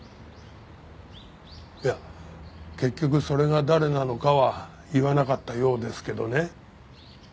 いや結局それが誰なのかは言わなかったようですけどね。